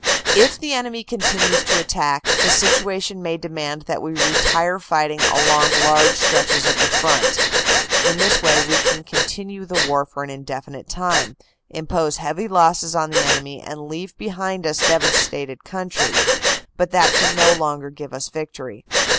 If the enemy continues to attack, the situation may demand that we retire fighting along large stretches of the front. In this way, we can continue the war for an indefinite time, im pose heavy losses on the enemy, and leave behind us devastated country, but that can no longer give us victory.